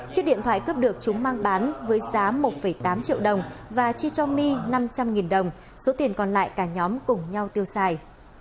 chiếc điện thoại cấp được chúng mang bán với giá một tám triệu đồng và chi cho my năm trăm linh đồng số tiền còn lại cả nhóm cùng nhau tiêu xài